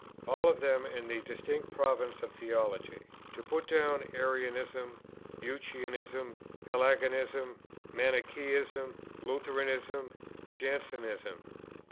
All of them in the distinct province of theology: to put down Arianism, Eutychianism, Pelagianism, Manichæism, Lutheranism, Jansenism.